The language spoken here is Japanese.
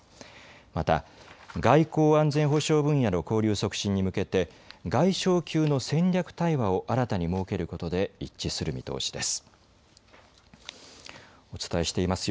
また外交安全保障分野の交流促進に向けて外相級の戦略対話を新たに設けることで一致する見通しです。